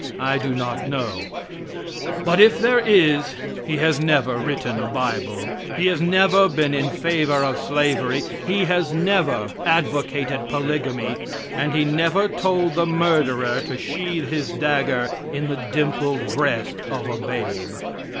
I do not know; but if there is he has never written a bible; he has never been in favor of slavery; he has never advocated polygamy, and he never told the murderer to sheathe his dagger in the dimpled breast of a babe.